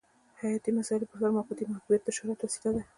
حیاتي مسایلو پرسر موقتي محبوبیت د شهرت وسیله ده.